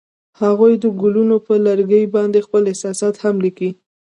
هغوی د ګلونه پر لرګي باندې خپل احساسات هم لیکل.